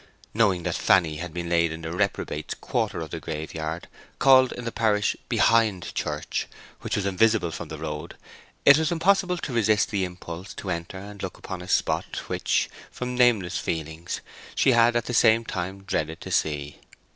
Knowing that Fanny had been laid in the reprobates' quarter of the graveyard, called in the parish "behind church," which was invisible from the road, it was impossible to resist the impulse to enter and look upon a spot which, from nameless feelings, she at the same time dreaded to see.